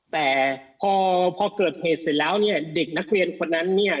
แต่พอพอเกิดเหตุเสร็จแล้วเนี่ยเด็กนักเรียนคนนั้นเนี่ย